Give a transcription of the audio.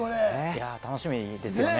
楽しみですね。